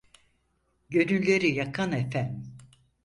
Gönülleri yakan efem.